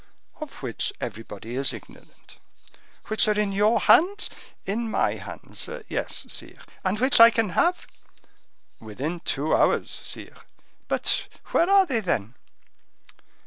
"Of which everybody is ignorant." "Which are in your hands?" "In my hands, yes, sire." "And which I can have?" "Within two hours, sire." "But where are they, then?"